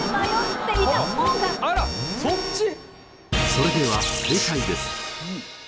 それでは正解です。